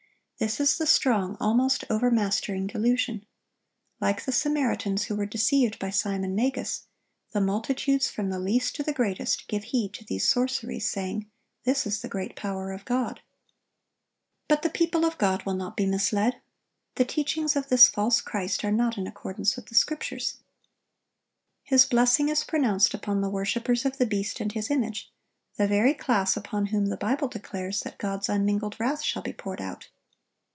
This is the strong, almost overmastering delusion. Like the Samaritans who were deceived by Simon Magus, the multitudes, from the least to the greatest, give heed to these sorceries, saying, This is "the great power of God."(1066) But the people of God will not be misled. The teachings of this false christ are not in accordance with the Scriptures. His blessing is pronounced upon the worshipers of the beast and his image, the very class upon whom the Bible declares that God's unmingled wrath shall be poured out.